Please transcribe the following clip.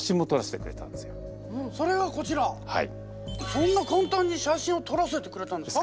そんな簡単に写真を撮らせてくれたんですか？